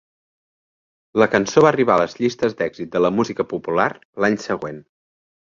La cançó va arribar a les llistes d'èxit de la música popular l'any següent.